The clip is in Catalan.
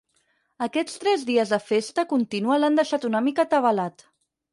Aquests tres dies de festa contínua l'han deixat una mica atabalat.